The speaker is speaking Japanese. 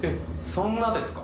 そんなですか？